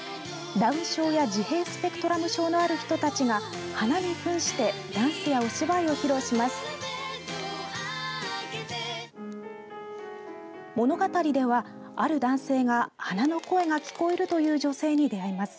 ダウン症や自閉スペクトラム症のある人たちが花にふんしてダンスやお芝居を披露します。